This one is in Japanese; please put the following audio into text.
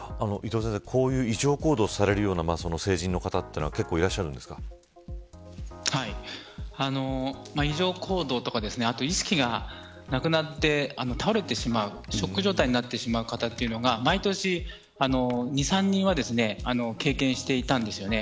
こういう異常行動されるような成人の方は異常行動とか意識がなくなって倒れてしまうショック状態になってしまう方が毎年２、３人は経験していたんです。